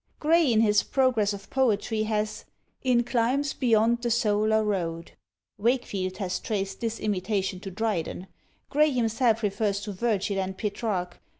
Gray, in his "Progress of Poetry," has In climes beyond the SOLAR ROAD. Wakefield has traced this imitation to Dryden; Gray himself refers to Virgil and Petrarch.